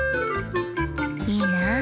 いいな。